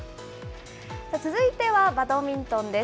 続いてはバドミントンです。